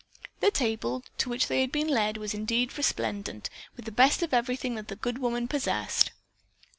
The table to which they had been led was indeed resplendent with the best of everything that the good woman possessed.